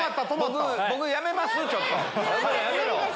僕やめます。